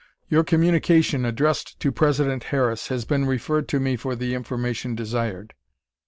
"Your communication, addressed to President Harris, has been referred to me for the information desired.